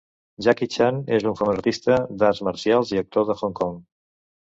Jackie Chan és un famós artista d'arts marcials i actor de Hong Kong.